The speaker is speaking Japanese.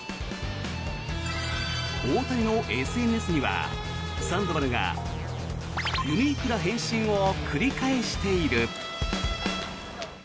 大谷のＳＮＳにはサンドバルがユニークな返信を繰り返している。